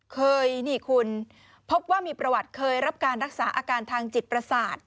เคยนี่คุณพบว่ามีประวัติเคยรับการรักษาอาการทางจิตประสาท